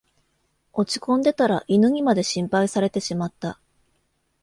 落ちこんでたら犬にまで心配されてしまった